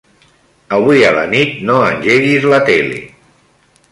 Avui a la nit no engeguis la tele.